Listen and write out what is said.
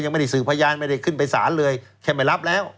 ยังไม่ได้สื่อพยานไม่ได้ขึ้นไปสารเลยแค่ไม่รับแล้ว